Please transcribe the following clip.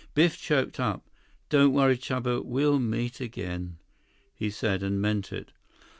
Biff choked up. "Don't worry, Chuba, we'll meet again," he said, and meant it.